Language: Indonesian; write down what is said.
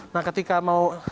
nah ketika mau